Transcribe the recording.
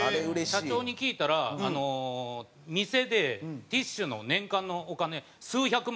社長に聞いたら店でティッシュの年間のお金。